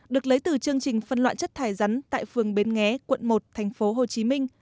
được lấy từ chương trình phân loạn chất thải rắn tại phường bến nghé quận một tp hcm